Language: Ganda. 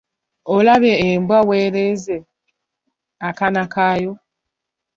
Olabye embwa bw'ereze akaana kayo?